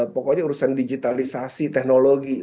pokoknya urusan digitalisasi teknologi